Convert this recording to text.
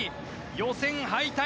予選敗退。